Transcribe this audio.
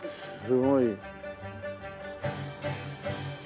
すごい。